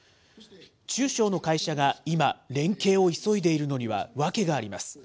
中小の会社が今、連携を急いでいるのには訳があります。